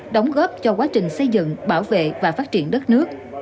đóng góp cho quá trình xây dựng bảo vệ và phát triển đất nước